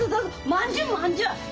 まんじゅうまんじゅう。